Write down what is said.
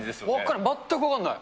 全く分からない。